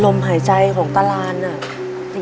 ลมหายใจของตารานน่ะ